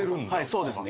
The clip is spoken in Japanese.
そうですね。